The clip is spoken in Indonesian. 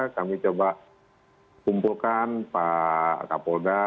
kami coba kumpulkan pak kapolda